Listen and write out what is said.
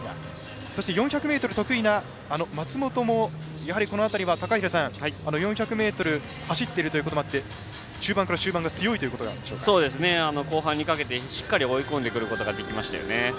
そして、４００ｍ得意な松本もこの辺りは高平さん、４００ｍ走っているということもあって後半にかけてしっかり追い込んでくることができましたよね。